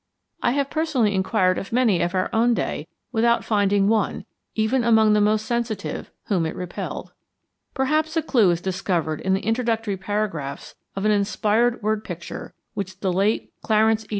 I have personally inquired of many of our own day without finding one, even among the most sensitive, whom it repelled. Perhaps a clew is discovered in the introductory paragraphs of an inspired word picture which the late Clarence E.